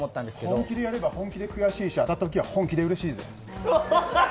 本気でやれば本気でうれしいし当たったら本気でうれしいぜ。